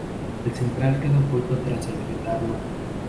El central queda oculto tras el retablo.